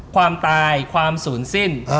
ความตายความสูญสิ้น